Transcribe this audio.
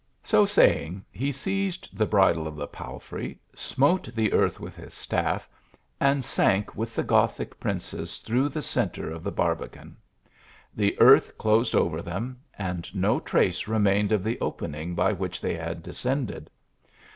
So saying, he seized the bridle of the palfrey, smote the earth with his staff, and sank with the Gothic princess through the centre of the barbican. The earth closed over them, and no trace remained of the opening by which they had descended.